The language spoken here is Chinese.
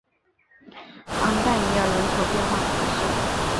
昂代尔尼人口变化图示